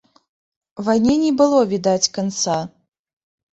Вайне не было відаць канца.